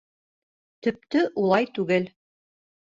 Төптө улай түгел.